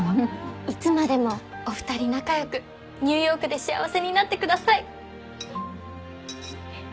いつまでもお二人仲良くニューヨークで幸せになってください。